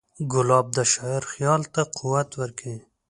ګلاب د شاعر خیال ته قوت ورکوي.